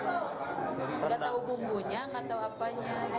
nggak tahu bumbunya nggak tahu apanya